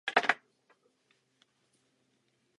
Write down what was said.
Potřebný počet hlasů získal už v prvním kole.